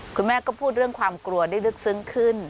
คุณแม่ก็พูดเรื่องความกลัวได้ลึกซึ้งขึ้น